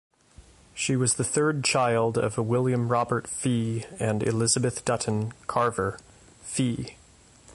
She was the third child of William Robert Fee and Elizabeth Dutton (Carver) Fee.